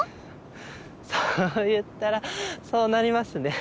そう言ったらそうなりますね。